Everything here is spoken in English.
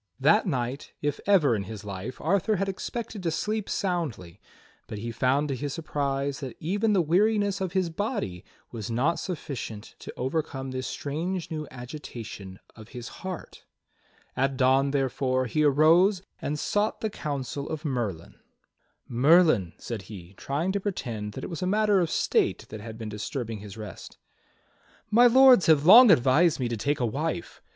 That night, if ever in his life, Arthur had expected to sleep soundly, but he found to his surprise that even the weariness of his body was not sufficient to overcome this strange new agitation of his heart. At dawn, therefore, he arose and sought the counsel of Merlin. "Merlin," said he, trying to pretend that it was a matter of state that had been disturbing his rest. "My Lords have long advised me to take a wife.